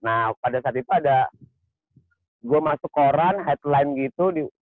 nah pada saat itu ada gue masuk koran headline gitu